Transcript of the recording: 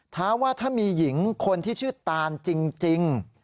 ท้าว่าถ้ามีหญิงคนที่ชื่อตานจริง